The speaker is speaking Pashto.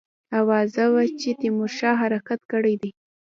آوازه وه چې تیمورشاه حرکت کړی دی.